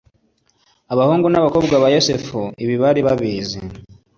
Abahungu n’abakobwa ba Yosefu ibi bari babizi